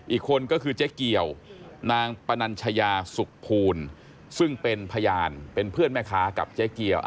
อีกคนก็คือเจ๊เกียวนางปนัญชยาสุขภูลซึ่งเป็นพยานเป็นเพื่อนแม่ค้ากับเจ๊เกียว